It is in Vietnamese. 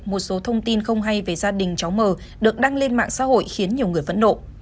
một số thông tin không hay về gia đình cháu mờ được đăng lên mạng xã hội khiến nhiều người phẫn nộ